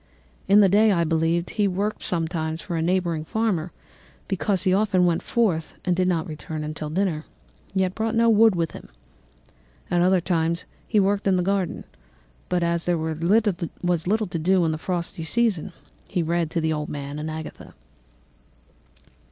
In the day, I believe, he worked sometimes for a neighbouring farmer, because he often went forth and did not return until dinner, yet brought no wood with him. At other times he worked in the garden, but as there was little to do in the frosty season, he read to the old man and Agatha.